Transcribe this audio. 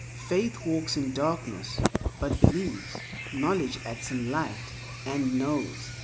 Faith walks in darkness, but believes; knowledge acts in light, and knows.